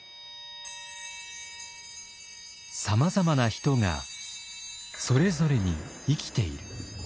さまざまな人がそれぞれに生きている。